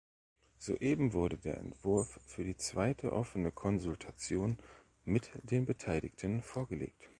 Soeben wurde der Entwurf für die zweite offene Konsultation mit den Beteiligten vorgelegt.